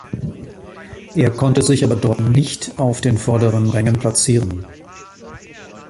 Er konnte sich aber dort nicht auf den vorderen Rängen platzieren.